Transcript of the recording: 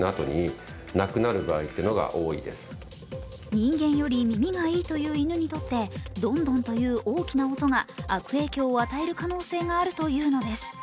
人間より耳がいいという犬にとって、ドンドンという大きな音が悪影響を与える可能性があるというのです。